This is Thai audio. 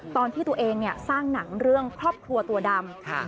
ตอนที่ตัวเองสร้างหนังเรื่องครอบครัวตัวดำ